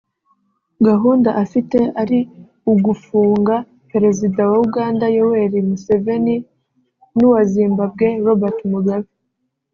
gahunda afite ari ugufunga Perezida wa Uganda Yoweri Museveni n’uwa Zimbabwe Robert Mugabe